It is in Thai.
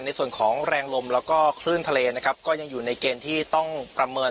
ในส่วนของแรงลมแล้วก็คลื่นทะเลนะครับก็ยังอยู่ในเกณฑ์ที่ต้องประเมิน